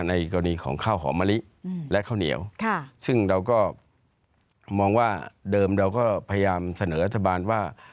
ในกรณีของข้าวหอมมะลิและข้าวเหนียวซึ่งเราก็มองว่าเดิมเราก็พยายามเสนอรัฐบาลว่า